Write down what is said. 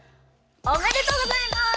おめでとうございます。